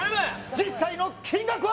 実際の金額は？